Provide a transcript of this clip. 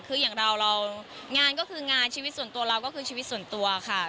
คืออย่างเราเรางานก็คืองานชีวิตส่วนตัวเราก็คือชีวิตส่วนตัวค่ะ